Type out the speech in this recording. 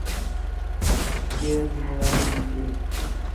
کیئر ذمہ واری ݙی سے